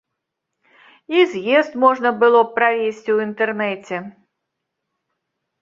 І з'езд можна было б правесці ў інтэрнэце.